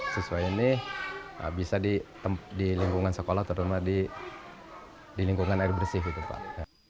siswa ini bisa di lingkungan sekolah terutama di lingkungan air bersih gitu pak